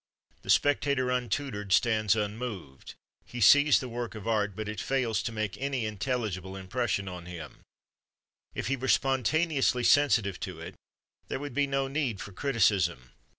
The spectator, untutored, stands unmoved; he sees the work of art, but it fails to make any intelligible impression on him; if he were spontaneously sensitive to it, there would be no need for criticism.